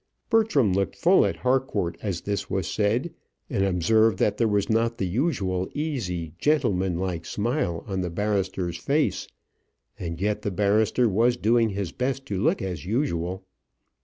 Bertram looked full at Harcourt as this was said, and observed that there was not the usual easy, gentlemanlike smile on the barrister's face; and yet the barrister was doing his best to look as usual.